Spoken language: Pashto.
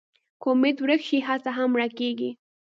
که امېد ورک شي، هڅه هم مړه کېږي.